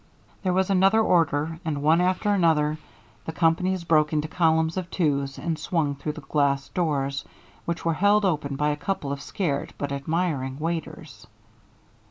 There was another order, and one after another the companies broke into columns of twos and swung through the glass doors, which were held open by a couple of scared but admiring waiters.